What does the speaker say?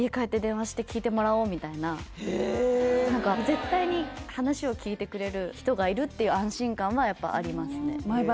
絶対に話を聞いてくれる人がいるっていう安心感はやっぱありますね